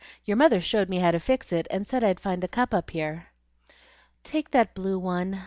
Your mother showed me how to fix it, and said I'd find a cup up here." "Take that blue one.